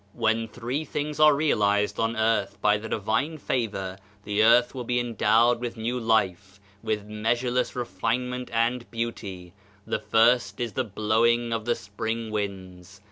When three things are realized on earth by the divine favor, the earth will be endowed with new life, with measureless refinement and beau^; the first is the blowing of the Spring Winds.